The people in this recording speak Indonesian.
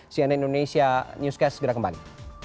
cnn indonesia newscast segera kembali